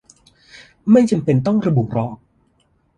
ไม่จำเป็นต้องระบุหรอก